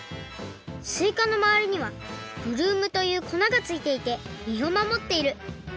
すいかのまわりにはブルームというこながついていてみを守っている。